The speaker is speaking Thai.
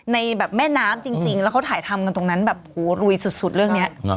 ในแบบแม่น้ำจริงแล้วเขาถ่ายทำกันตรงนั้นแบบโหลุยสุดเรื่องนี้